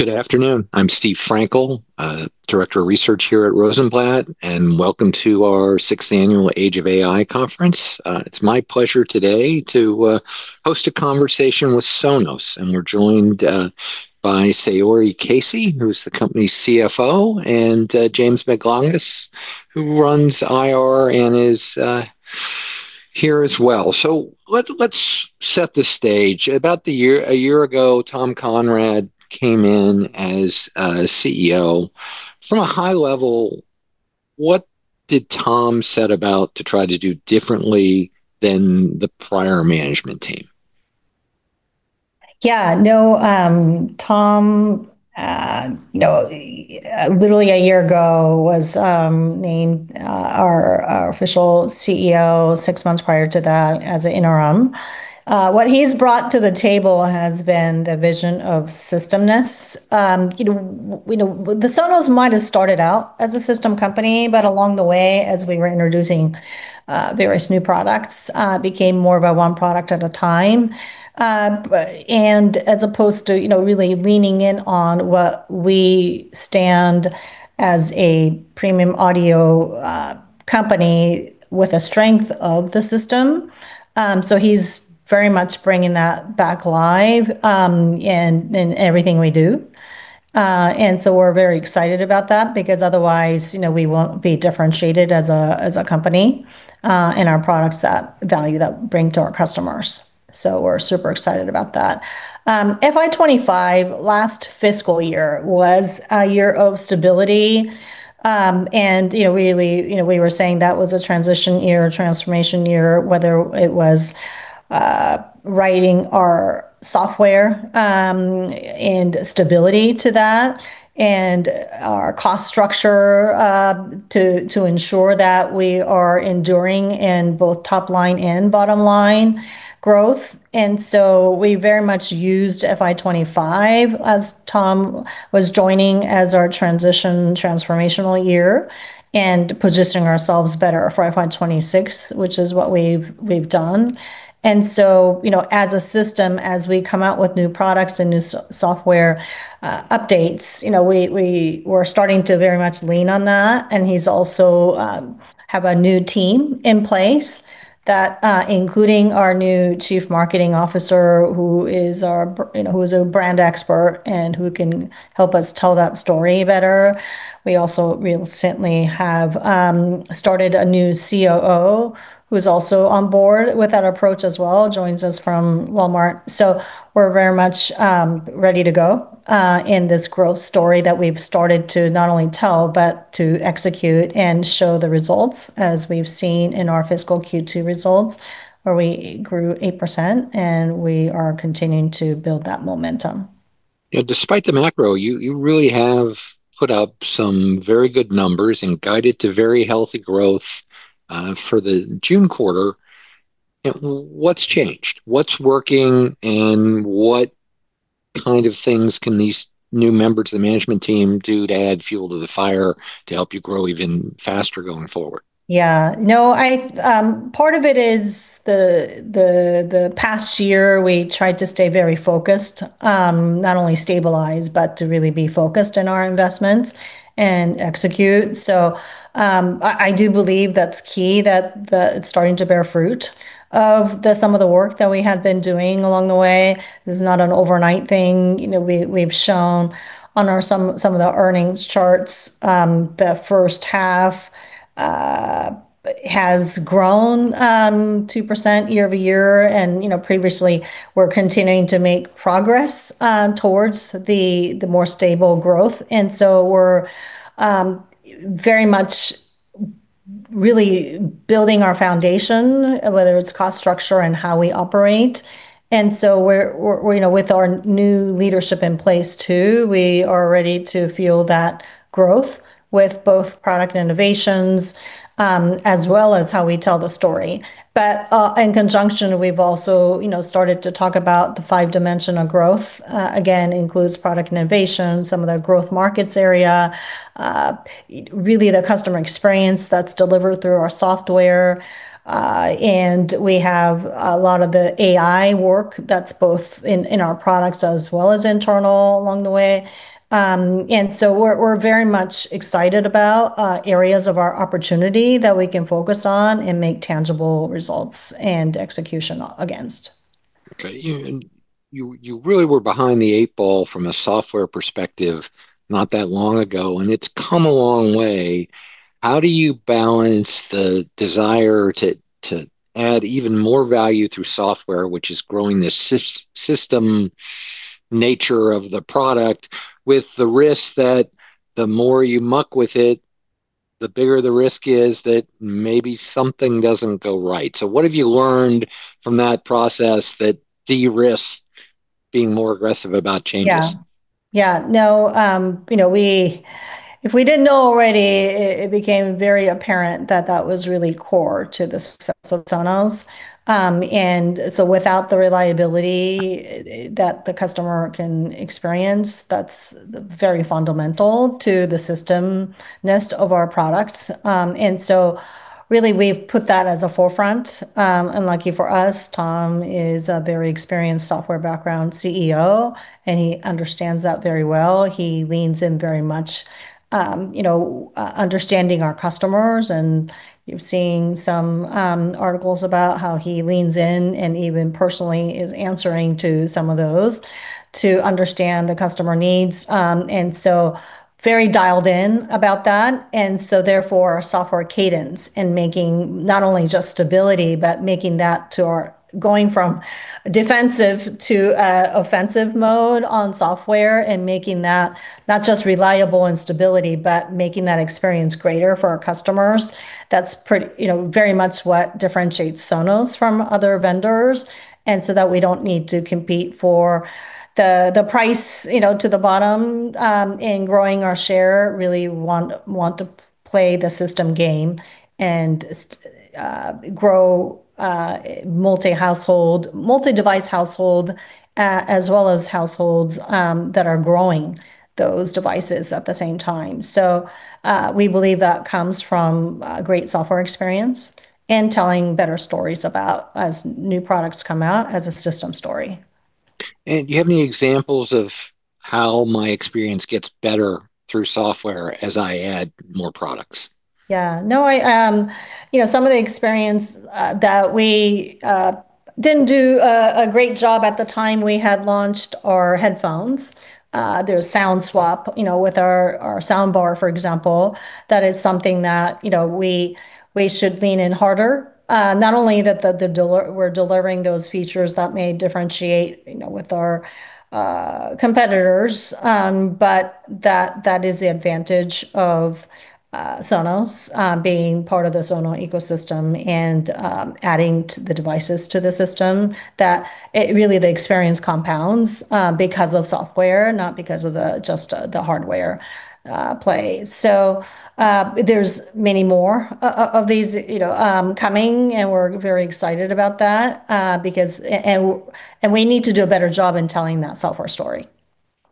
Good afternoon. I'm Steve Frankel, Director of Research here at Rosenblatt, welcome to our sixth annual Age of AI conference. It's my pleasure today to host a conversation with Sonos. We're joined by Saori Casey, who's the company's CFO, and James Baglanis, who runs IR and is here as well. Let's set the stage. About a year ago, Tom Conrad came in as CEO. From a high level, what did Tom set about to try to do differently than the prior management team? Yeah. Tom, literally a year ago, was named our official CEO, six months prior to that as an interim. What he's brought to the table has been the vision of systemness. The Sonos might have started out as a system company. Along the way, as we were introducing various new products, became more of a one product at a time, as opposed to really leaning in on what we stand as a premium audio company with a strength of the system. He's very much bringing that back live in everything we do. We're very excited about that because otherwise we won't be differentiated as a company in our products value that we bring to our customers. We're super excited about that. FY 2025, last fiscal year, was a year of stability. Really, we were saying that was a transition year, a transformation year, whether it was writing our software and stability to that, and our cost structure to ensure that we are enduring in both top line and bottom line growth. We very much used FY 2025 as Tom was joining as our transition transformational year and positioning ourselves better for FY 2026, which is what we've done. As a system, as we come out with new products and new software updates, we're starting to very much lean on that. He's also have a new team in place that including our new Chief Marketing Officer, who is a brand expert, who can help us tell that story better. We also recently have started a new Chief Operating Officer, who's also on board with that approach as well. Joins us from Walmart. We're very much ready to go in this growth story that we've started to not only tell, but to execute and show the results, as we've seen in our fiscal Q2 results, where we grew 8%. We are continuing to build that momentum. Yeah. Despite the macro, you really have put up some very good numbers and guided to very healthy growth for the June quarter. What's changed? What's working, and what kind of things can these new members of the management team do to add fuel to the fire to help you grow even faster going forward? Yeah. Part of it is the past year, we tried to stay very focused, not only stabilize, but to really be focused on our investments and execute. I do believe that's key, that it's starting to bear fruit of some of the work that we have been doing along the way. This is not an overnight thing. We've shown on some of the earnings charts the first half has grown 2% year-over-year. Previously, we're continuing to make progress towards the more stable growth. We're very much really building our foundation, whether it's cost structure and how we operate. With our new leadership in place too, we are ready to fuel that growth with both product innovations, as well as how we tell the story. In conjunction, we've also started to talk about the five dimension of growth. Again, includes product innovation, some of the growth markets area, really the customer experience that's delivered through our software. We have a lot of the AI work that's both in our products as well as internal along the way. We're very much excited about areas of our opportunity that we can focus on and make tangible results and execution against. Okay. You really were behind the eight ball from a software perspective not that long ago, and it's come a long way. How do you balance the desire to add even more value through software, which is growing the system nature of the product, with the risk that the more you muck with it, the bigger the risk is that maybe something doesn't go right? What have you learned from that process that de-risks being more aggressive about changes? Yeah. If we didn't know already, it became very apparent that that was really core to the success of Sonos. Without the reliability that the customer can experience, that's very fundamental to the systemness of our products. Really, we've put that as a forefront. Lucky for us, Tom is a very experienced software background CEO, and he understands that very well. He leans in very much understanding our customers, and you've seen some articles about how he leans in and even personally is answering to some of those to understand the customer needs. Very dialed in about that. Therefore, our software cadence in making not only just stability, but going from defensive to offensive mode on software and making that not just reliable in stability, but making that experience greater for our customers. That's very much what differentiates Sonos from other vendors. That we don't need to compete for the price to the bottom in growing our share, really want to play the system game and grow multi-device household, as well as households that are growing those devices at the same time. We believe that comes from a great software experience and telling better stories about as new products come out as a system story. Do you have any examples of how my experience gets better through software as I add more products? Yeah. Some of the experience that we didn't do a great job at the time we had launched our headphones. There's sound swap with our soundbar, for example. That is something that we should lean in harder. Not only that we're delivering those features that may differentiate with our competitors, but that is the advantage of Sonos, being part of the Sonos ecosystem and adding the devices to the system, that really the experience compounds because of software, not because of just the hardware play. There's many more of these coming, and we're very excited about that. We need to do a better job in telling that software story.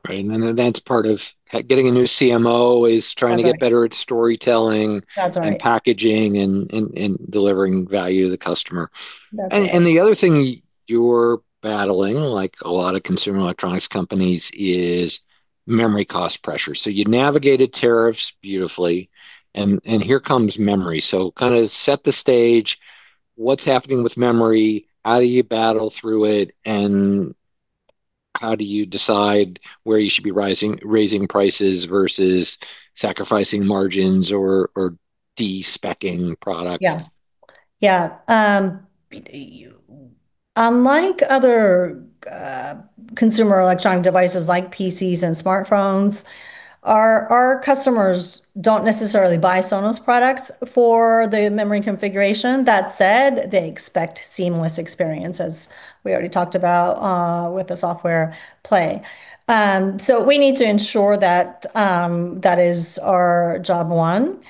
Right. That's part of getting a new CMO is trying- That's right. To get better at storytelling and- That's right. Packaging and delivering value to the customer. That's right. The other thing you're battling, like a lot of consumer electronics companies, is memory cost pressure. You navigated tariffs beautifully, and here comes memory. Set the stage. What's happening with memory? How do you battle through it, and how do you decide where you should be raising prices versus sacrificing margins or de-speccing products? Yeah. Unlike other consumer electronic devices like PCs and smartphones, our customers don't necessarily buy Sonos products for the memory configuration. That said, they expect seamless experience, as we already talked about with the software play. We need to ensure that is our job one.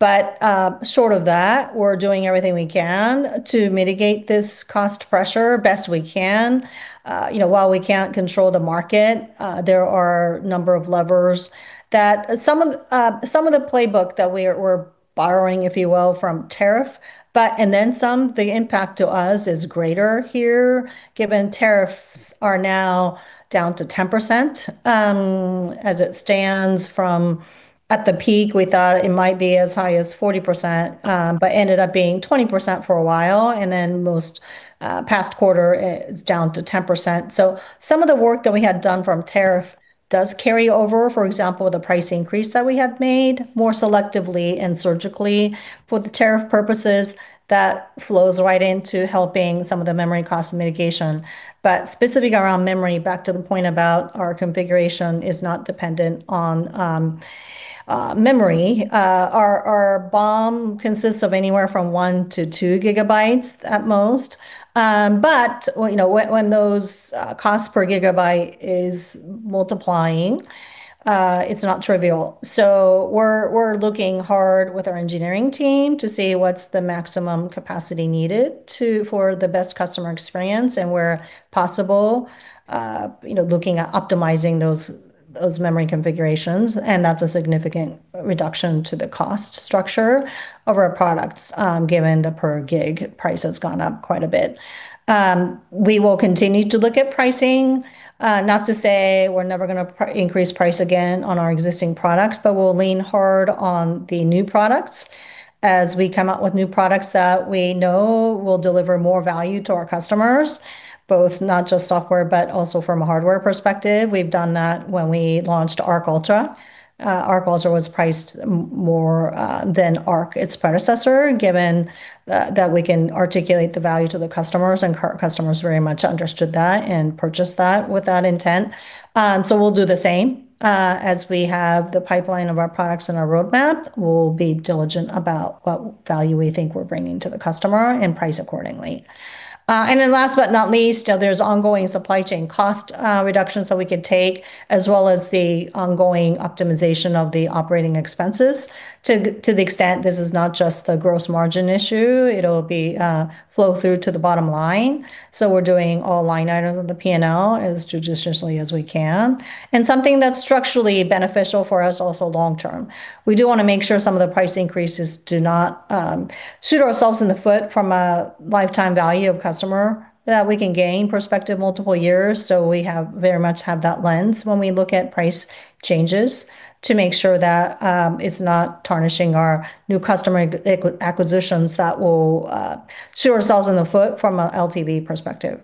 Short of that, we're doing everything we can to mitigate this cost pressure best we can. While we can't control the market, there are a number of levers that some of the playbook that we're borrowing, if you will, from tariff, but and then some, the impact to us is greater here given tariffs are now down to 10%. As it stands from at the peak, we thought it might be as high as 40%, but ended up being 20% for a while, and then most past quarter, it's down to 10%. Some of the work that we had done from tariff does carry over, for example, the price increase that we had made more selectively and surgically for the tariff purposes, that flows right into helping some of the memory cost mitigation. Specific around memory, back to the point about our configuration is not dependent on memory. Our BOM consists of anywhere from 1-2 GB at most. When those costs per gigabyte is multiplying, it's not trivial. We're looking hard with our engineering team to see what's the maximum capacity needed for the best customer experience, and where possible looking at optimizing those memory configurations. That's a significant reduction to the cost structure of our products, given the per gig price has gone up quite a bit. We will continue to look at pricing, not to say we're never going to increase price again on our existing products, but we'll lean hard on the new products as we come out with new products that we know will deliver more value to our customers, both not just software, but also from a hardware perspective. We've done that when we launched Arc Ultra. Arc Ultra was priced more than Arc, its predecessor, given that we can articulate the value to the customers, and customers very much understood that and purchased that with that intent. We'll do the same. As we have the pipeline of our products and our roadmap, we'll be diligent about what value we think we're bringing to the customer and price accordingly. Last but not least, there's ongoing supply chain cost reductions that we could take, as well as the ongoing optimization of the operating expenses. To the extent this is not just a gross margin issue, it'll flow through to the bottom line. We're doing all line items of the P&L as judiciously as we can. Something that's structurally beneficial for us also long term. We do want to make sure some of the price increases do not shoot ourselves in the foot from a lifetime value of customer that we can gain perspective multiple years, so we very much have that lens when we look at price changes to make sure that it's not tarnishing our new customer acquisitions that will shoot ourselves in the foot from a LTV perspective.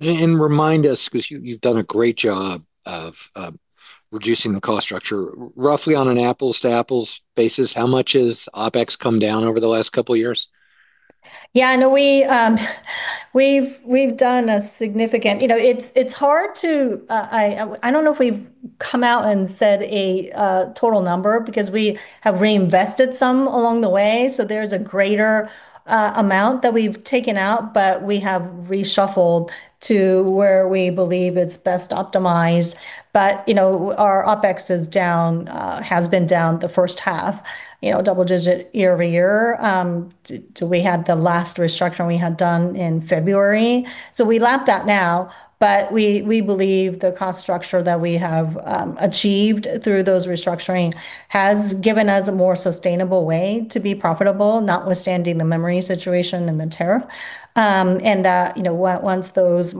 Remind us, because you've done a great job of reducing the cost structure. Roughly on an apples-to-apples basis, how much has OpEx come down over the last couple of years? Yeah, no. It's hard. I don't know if we've come out and said a total number, because we have reinvested some along the way, so there's a greater amount that we've taken out, but we have reshuffled to where we believe it's best optimized. Our OpEx has been down the first half, double-digit year-over-year, to we had the last restructuring we had done in February. We lap that now, but we believe the cost structure that we have achieved through those restructuring has given us a more sustainable way to be profitable, notwithstanding the memory situation and the tariff. That once those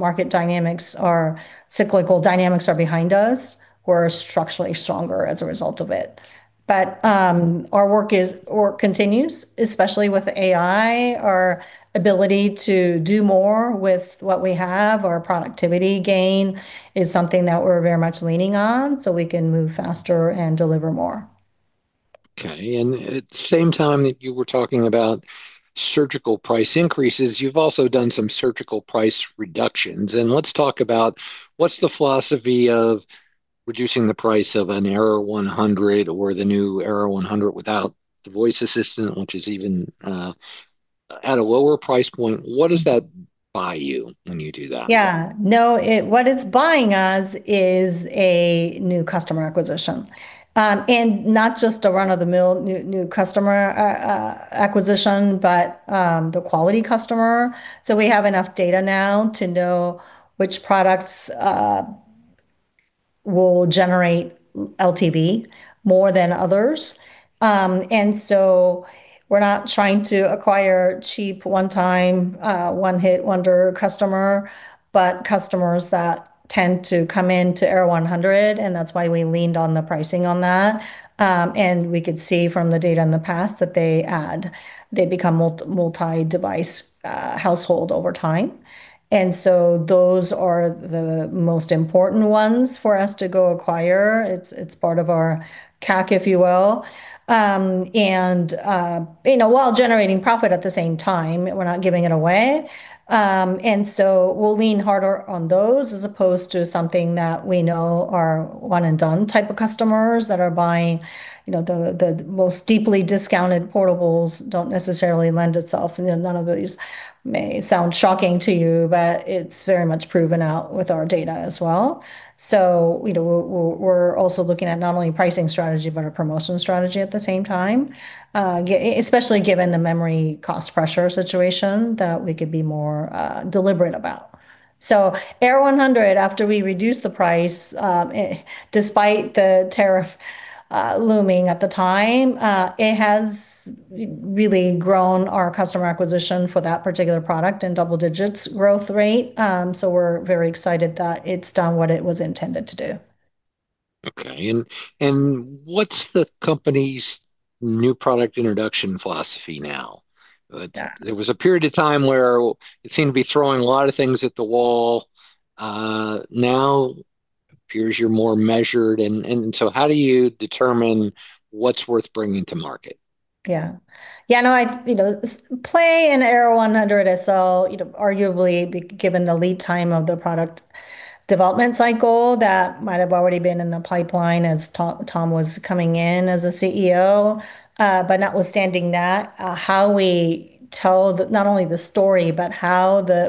cyclical dynamics are behind us, we're structurally stronger as a result of it. Our work continues, especially with AI. Our ability to do more with what we have, our productivity gain is something that we're very much leaning on, so we can move faster and deliver more. Okay. At the same time that you were talking about surgical price increases, you've also done some surgical price reductions. Let's talk about what's the philosophy of reducing the price of an Era 100 or the new Era 100 without the voice assistant, which is even at a lower price point. What does that buy you when you do that? Yeah. No, what it's buying us is a new customer acquisition. Not just a run-of-the-mill new customer acquisition, but the quality customer. We have enough data now to know which products will generate LTV more than others. We're not trying to acquire cheap one-time, one-hit-wonder customer, but customers that tend to come in to Era 100, and that's why we leaned on the pricing on that. We could see from the data in the past that they add, they become multi-device household over time. Those are the most important ones for us to go acquire. It's part of our CAC, if you will. While generating profit at the same time, we're not giving it away. We'll lean harder on those as opposed to something that we know are one-and-done type of customers that are buying the most deeply discounted portables don't necessarily lend itself. None of these may sound shocking to you, but it's very much proven out with our data as well. We're also looking at not only pricing strategy, but our promotional strategy at the same time. Especially given the memory cost pressure situation that we could be more deliberate about. Era 100, after we reduced the price, despite the tariff looming at the time, it has really grown our customer acquisition for that particular product in double digits growth rate. We're very excited that it's done what it was intended to do. Okay. What's the company's new product introduction philosophy now? Yeah. There was a period of time where it seemed to be throwing a lot of things at the wall. Now appears you're more measured in. How do you determine what's worth bringing to market? Yeah. Play in Era 100 is so arguably given the lead time of the product development cycle that might have already been in the pipeline as Tom was coming in as a CEO. Notwithstanding that, how we tell not only the story, but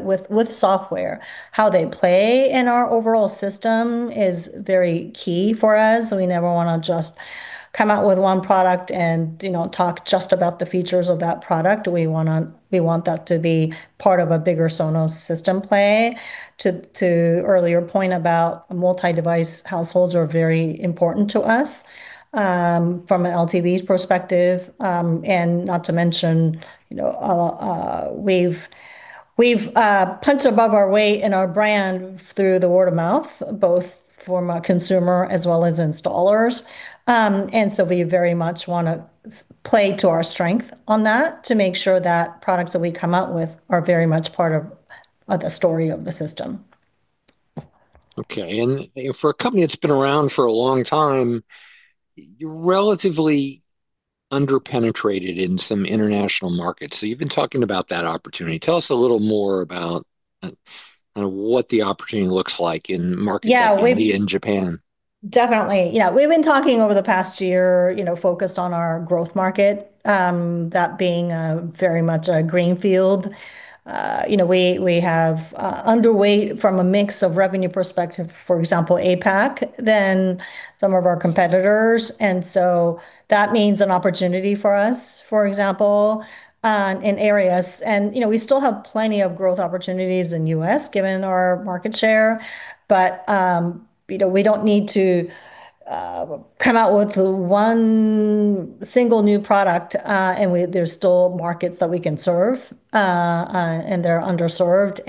with software, how they play in our overall system is very key for us. We never want to just come out with one product and talk just about the features of that product. We want that to be part of a bigger Sonos system play. To earlier point about multi-device households are very important to us, from an LTV perspective. Not to mention, we've punched above our weight in our brand through the word of mouth, both from a consumer as well as installers. We very much want to play to our strength on that to make sure that products that we come out with are very much part of the story of the system. Okay. For a company that's been around for a long time, you're relatively under-penetrated in some international markets. You've been talking about that opportunity. Tell us a little more about what the opportunity looks like in markets- Yeah. Like India and Japan. Definitely, yeah. We've been talking over the past year, focused on our growth market, that being very much a greenfield. We have underway from a mix of revenue perspective, for example, APAC, than some of our competitors, that means an opportunity for us, for example, in areas. We still have plenty of growth opportunities in U.S., given our market share. We don't need to come out with one single new product, there's still markets that we can serve, and they're underserved.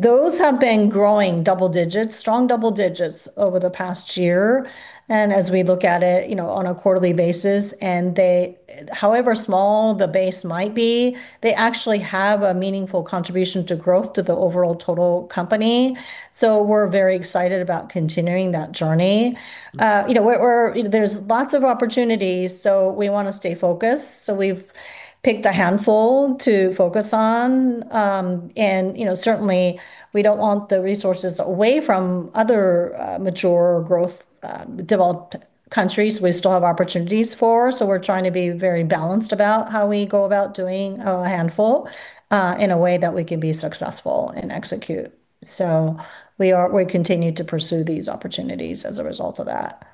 Those have been growing double digits, strong double digits over the past year. As we look at it on a quarterly basis, and however small the base might be, they actually have a meaningful contribution to growth to the overall total company. We're very excited about continuing that journey. There's lots of opportunities, so we want to stay focused. We've picked a handful to focus on. Certainly, we don't want the resources away from other mature or growth developed countries we still have opportunities for, we're trying to be very balanced about how we go about doing a handful, in a way that we can be successful and execute. We continue to pursue these opportunities as a result of that.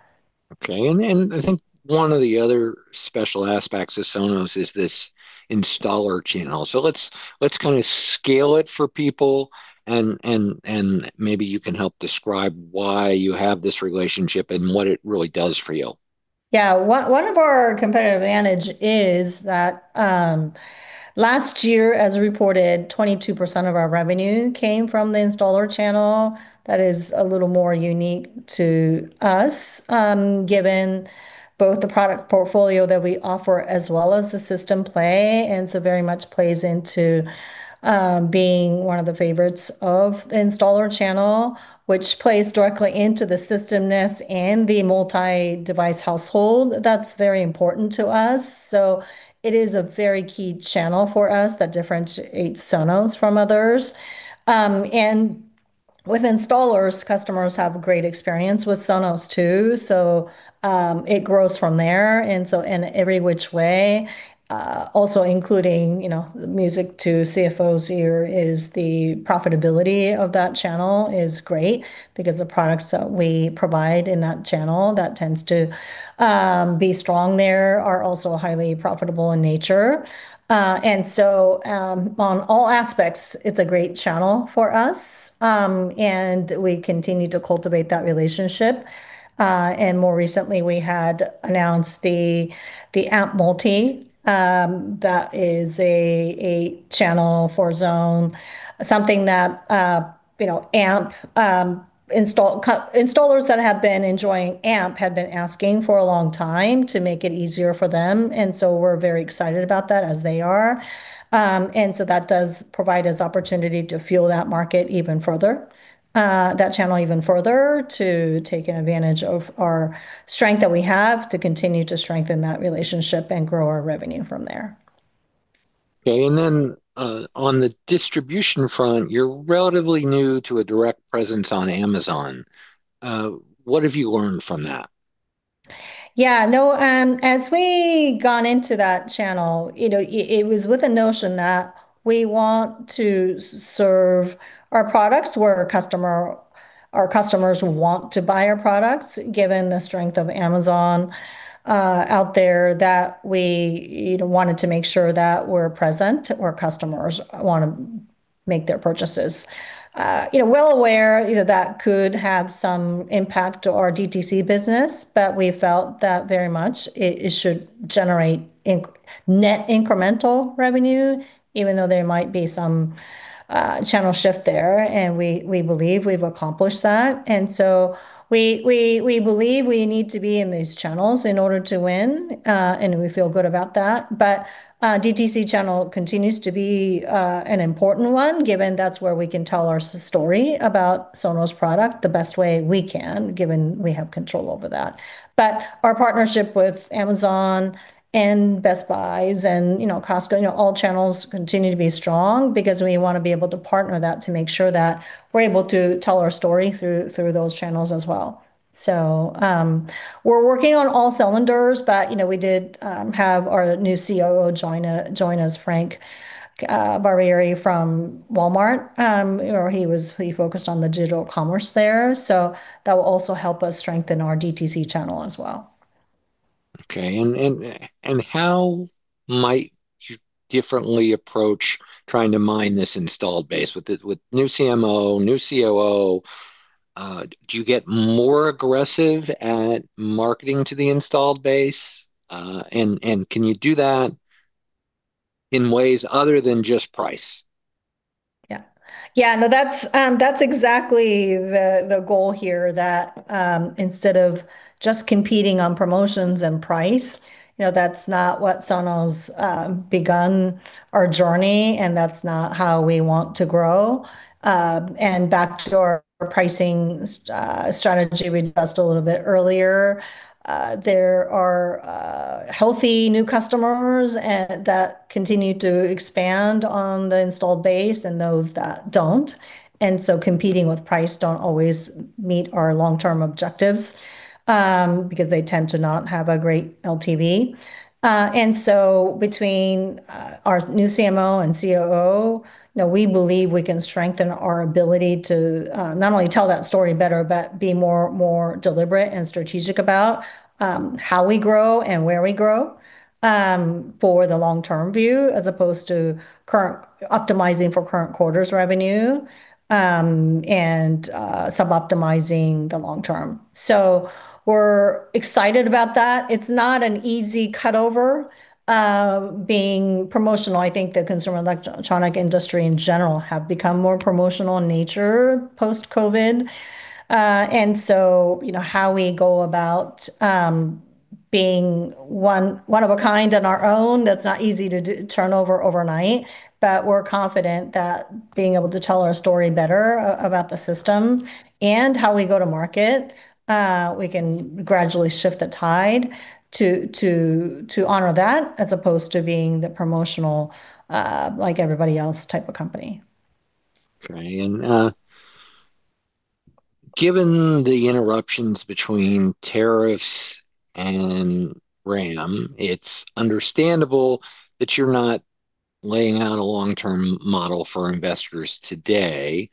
I think one of the other special aspects of Sonos is this installer channel. Let's scale it for people, and maybe you can help describe why you have this relationship and what it really does for you. One of our competitive advantage is that, last year, as reported, 22% of our revenue came from the installer channel. That is a little more unique to us, given both the product portfolio that we offer as well as the system play, very much plays into being one of the favorites of the installer channel, which plays directly into the systemness and the multi-device household. That's very important to us. It is a very key channel for us that differentiates Sonos from others. With installers, customers have a great experience with Sonos, too, it grows from there and every which way. Also including music to CFOs' ear is the profitability of that channel is great because the products that we provide in that channel that tends to be strong there are also highly profitable in nature. On all aspects, it's a great channel for us, and we continue to cultivate that relationship. More recently, we had announced the Amp Multi. That is a channel four-zone, something that installers that have been enjoying Amp have been asking for a long time to make it easier for them. We're very excited about that as they are. That does provide us opportunity to fuel that channel even further to taking advantage of our strength that we have to continue to strengthen that relationship and grow our revenue from there. Okay. Then, on the distribution front, you're relatively new to a direct presence on Amazon. What have you learned from that? Yeah. As we gone into that channel, it was with a notion that we want to serve our products where our customers want to buy our products, given the strength of Amazon out there, that we wanted to make sure that we're present where customers want to make their purchases. Well aware that could have some impact to our DTC business, but we felt that very much it should generate net incremental revenue, even though there might be some channel shift there, and we believe we've accomplished that. So we believe we need to be in these channels in order to win, and we feel good about that. DTC channel continues to be an important one, given that's where we can tell our story about Sonos product the best way we can, given we have control over that. Our partnership with Amazon and Best Buy and Costco, all channels continue to be strong because we want to be able to partner that to make sure that we're able to tell our story through those channels as well. We're working on all cylinders, but we did have our new COO join us, Frank Barbieri from Walmart. He focused on the digital commerce there, so that will also help us strengthen our DTC channel as well. Okay. How might you differently approach trying to mine this installed base? With new CMO, new COO, do you get more aggressive at marketing to the installed base? Can you do that in ways other than just price? Yeah. No, that's exactly the goal here, that instead of just competing on promotions and price, that's not what Sonos begun our journey, and that's not how we want to grow. Back to our pricing strategy we discussed a little bit earlier, there are healthy new customers that continue to expand on the installed base and those that don't. Competing with price don't always meet our long-term objectives, because they tend to not have a great LTV. Between our new CMO and COO, we believe we can strengthen our ability to not only tell that story better, but be more deliberate and strategic about how we grow and where we grow for the long-term view, as opposed to optimizing for current quarter's revenue, and sub-optimizing the long term. We're excited about that. It's not an easy cut-over. Being promotional, I think the consumer electronic industry in general have become more promotional nature post-COVID. How we go about being one of a kind on our own, that's not easy to do turnover overnight, but we're confident that being able to tell our story better about the system and how we go to market, we can gradually shift the tide to honor that as opposed to being the promotional like everybody else type of company. Okay. Given the interruptions between tariffs and RAM, it's understandable that you're not laying out a long-term model for investors today.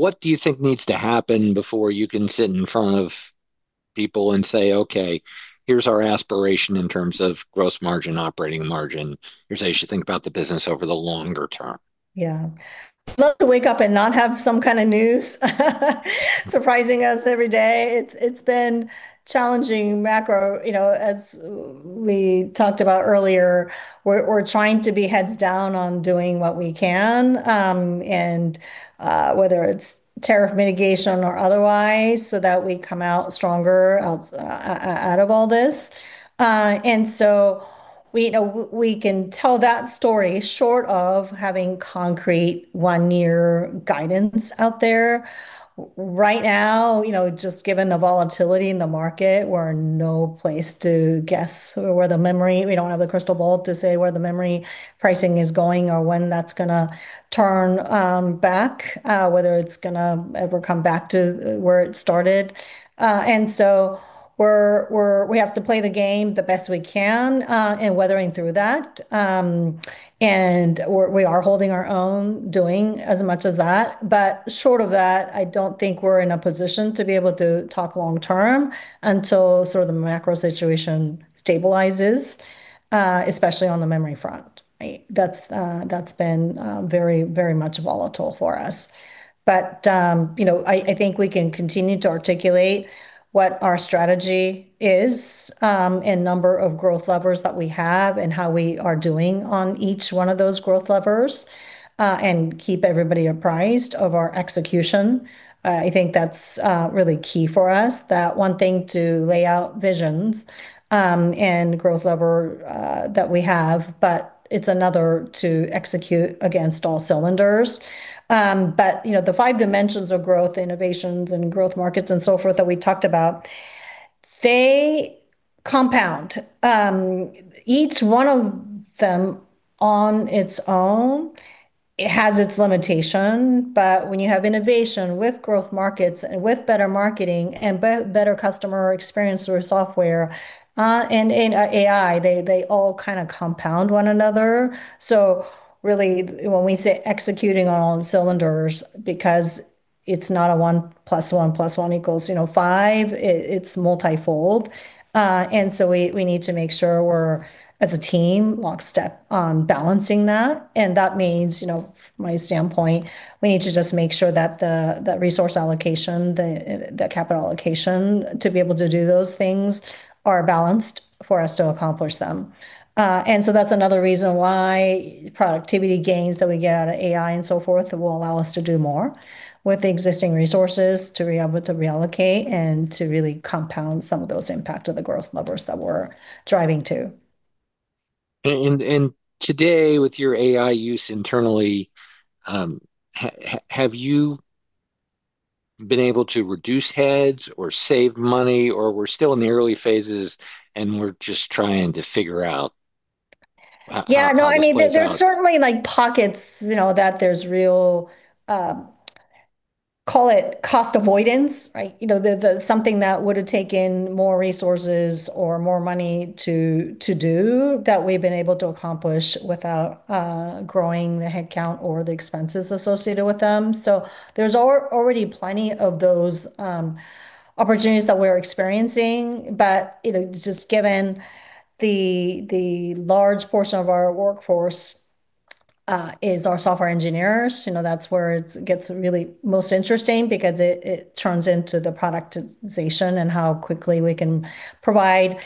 What do you think needs to happen before you can sit in front of people and say, "Okay, here's our aspiration in terms of gross margin, operating margin. Here's how you should think about the business over the longer term?" Yeah. I'd love to wake up and not have some kind of news surprising us every day. It's been challenging macro. As we talked about earlier, we're trying to be heads down on doing what we can, and whether it's tariff mitigation or otherwise, so that we come out stronger out of all this. We can tell that story, short of having concrete one-year guidance out there. Right now, just given the volatility in the market, we're in no place to guess. We don't have a crystal ball to say where the memory pricing is going or when that's going to turn back, whether it's going to ever come back to where it started. We have to play the game the best we can in weathering through that, and we are holding our own, doing as much as that. Short of that, I don't think we're in a position to be able to talk long term until the macro situation stabilizes, especially on the memory front. That's been very much volatile for us. I think we can continue to articulate what our strategy is and number of growth levers that we have and how we are doing on each one of those growth levers, and keep everybody apprised of our execution. I think that's really key for us. That one thing to lay out visions and growth lever that we have, but it's another to execute against all cylinders. The five dimensions of growth, innovations and growth markets and so forth that we talked about, they compound. Each one of them on its own has its limitation. When you have innovation with growth markets and with better marketing and better customer experience through our software, and AI, they all compound one another. Really, when we say executing on all cylinders, because it's not a one plus one plus one equals five, it's multifold. We need to make sure we're, as a team, lockstep on balancing that. That means, my standpoint, we need to just make sure that resource allocation, the capital allocation to be able to do those things are balanced for us to accomplish them. That's another reason why productivity gains that we get out of AI and so forth will allow us to do more with the existing resources, to be able to reallocate and to really compound some of those impact of the growth levers that we're driving to. Today, with your AI use internally, have you been able to reduce heads or save money, or we're still in the early phases and we're just trying to figure out how this plays out? Yeah. There's certainly pockets that there's real, call it cost avoidance. Something that would've taken more resources or more money to do that we've been able to accomplish without growing the headcount or the expenses associated with them. Just given the large portion of our workforce is our software engineers, that's where it gets really most interesting because it turns into the productization and how quickly we can provide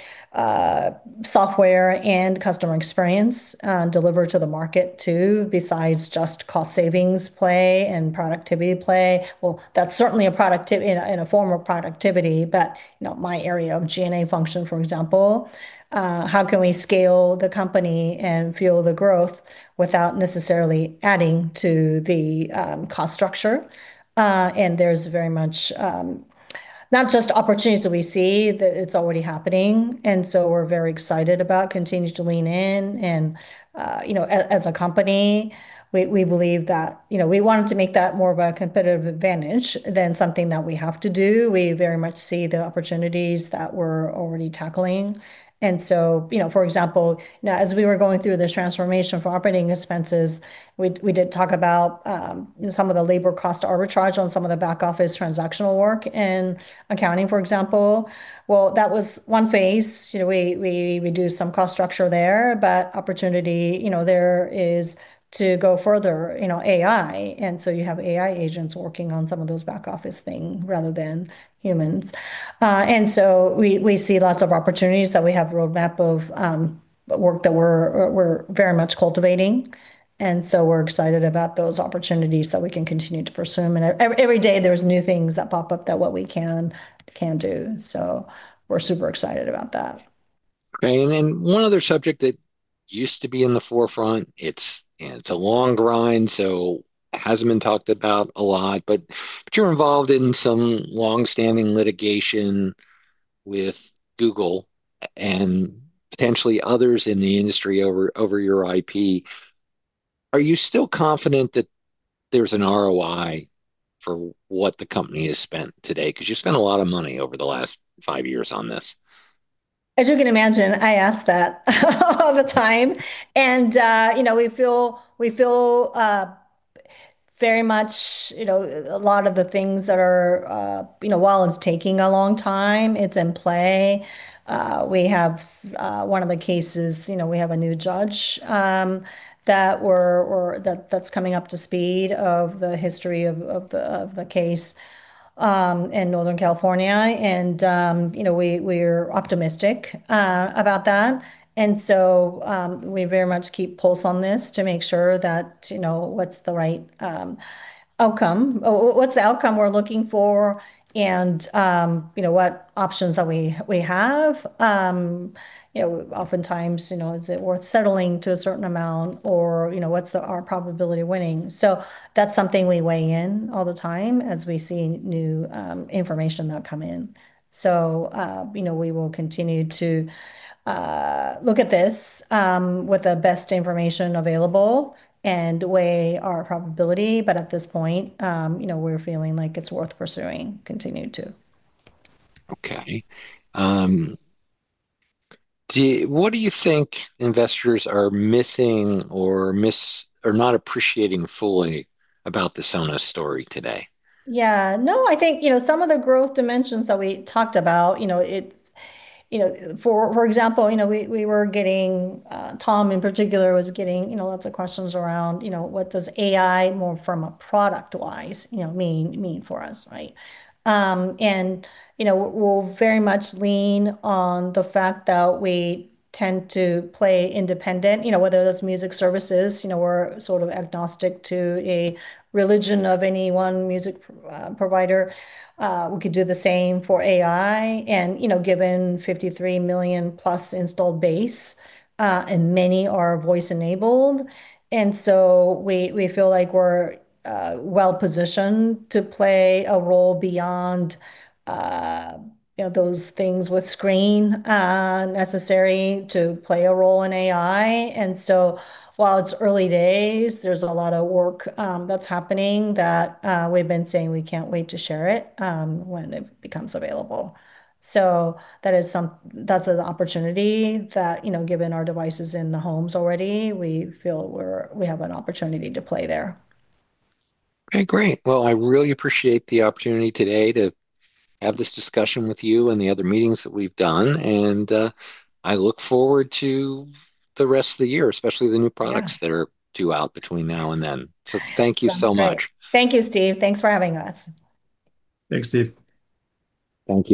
software and customer experience delivered to the market too, besides just cost savings play and productivity play. Well, that's certainly in a form of productivity, but my area of G&A function, for example, how can we scale the company and fuel the growth without necessarily adding to the cost structure? There's very much not just opportunities that we see, that it's already happening, so we're very excited about continuing to lean in. As a company, we believe that we wanted to make that more of a competitive advantage than something that we have to do. We very much see the opportunities that we're already tackling. For example, as we were going through this transformation for operating expenses, we did talk about some of the labor cost arbitrage on some of the back office transactional work in accounting, for example. That was one phase. We reduced some cost structure there, but opportunity there is to go further, AI. You have AI agents working on some of those back office things rather than humans. We see lots of opportunities that we have a roadmap of work that we're very much cultivating, so we're excited about those opportunities that we can continue to pursue. Every day, there's new things that pop up that what we can do. We're super excited about that. Great. One other subject that used to be in the forefront, it's a long grind, so it hasn't been talked about a lot, but you're involved in some longstanding litigation with Google and potentially others in the industry over your IP. Are you still confident that there's an ROI for what the company has spent today? Because you spent a lot of money over the last five years on this. As you can imagine, I ask that all the time. We feel very much a lot of the things that are, while it's taking a long time, it's in play. We have one of the cases, we have a new judge that's coming up to speed of the history of the case in Northern California, and we're optimistic about that. We very much keep pulse on this to make sure that what's the right outcome, what's the outcome we're looking for and what options that we have. Oftentimes, is it worth settling to a certain amount or what's our probability of winning? That's something we weigh in all the time as we see new information that come in. We will continue to look at this with the best information available and weigh our probability. At this point, we're feeling like it's worth pursuing, continue to. Okay. What do you think investors are missing or not appreciating fully about the Sonos story today? Yeah. No, I think some of the growth dimensions that we talked about, for example, we were getting, Tom in particular, was getting lots of questions around what does AI, more from a product wise, mean for us, right? We'll very much lean on the fact that we tend to play independent, whether that's music services, we're sort of agnostic to a religion of any one music provider. We could do the same for AI given 53 million-plus installed base, and many are voice-enabled. We feel like we're well-positioned to play a role beyond those things with screen necessary to play a role in AI. While it's early days, there's a lot of work that's happening that we've been saying we can't wait to share it when it becomes available. That's an opportunity that, given our device is in the homes already, we feel we have an opportunity to play there. Okay, great. Well, I really appreciate the opportunity today to have this discussion with you and the other meetings that we've done. I look forward to the rest of the year, especially the new products- Yeah. That are due out between now and then. Thank you so much. Sounds great. Thank you, Steve. Thanks for having us. Thanks, Steve. Thank you.